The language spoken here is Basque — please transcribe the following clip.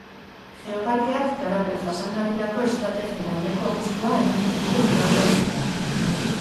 Geoparkeak garapen jasangarrirako estrategien aldeko apustua egiten duten lurraldeak dira.